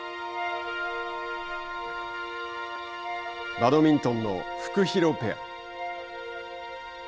バドミントンのフクヒロペア。